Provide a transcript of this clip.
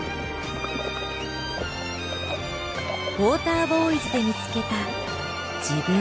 ウォーターボーイズで見つけた自分。